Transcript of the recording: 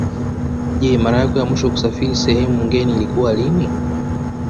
Je mara yako ya mwisho kusafiri sehemu ngeni ilikuwa lini